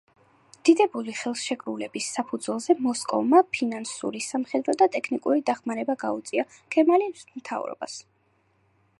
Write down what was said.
დადებული ხელშეკრულების საფუძველზე მოსკოვმა ფინანსური, სამხედრო და ტექნიკური დახმარება გაუწია ქემალის მთავრობას.